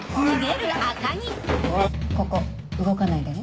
ここ動かないでね。